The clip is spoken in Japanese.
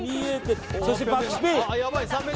そしてバックスピン。